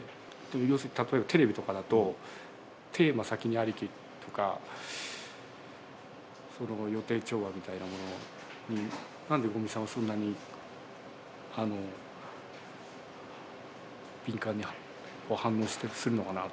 要するに例えばテレビとかだとテーマ先にありきとかその予定調和みたいなものに何で五味さんはそんなにあの敏感に反応したりするのかなと思ったんですけど。